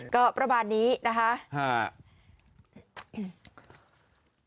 ก็ประมาณนี้นะคะ